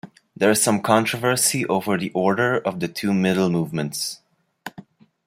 There is some controversy over the order of the two middle movements.